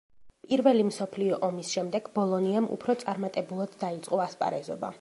პირველი მსოფლიო ომის შემდეგ, „ბოლონიამ“ უფრო წარმატებულად დაიწყო ასპარეზობა.